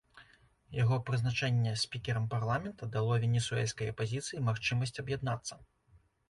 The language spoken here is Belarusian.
Яго прызначэнне спікерам парламента дало венесуэльскай апазіцыі магчымасць аб'яднацца.